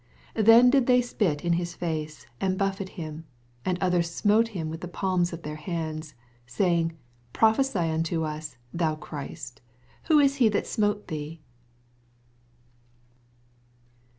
67 Then did they spit in his face, and bufi'eted him ; and others smote him with the palms of their hands, 68 Saying, Prophesy unto us, thou Christ, Who is he that smote thee